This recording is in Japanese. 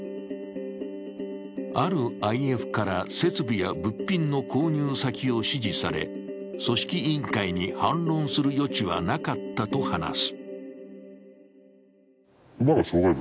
あるＩＦから設備や物品の購入先を指示され組織委員会に反論する余地はなかったと話す。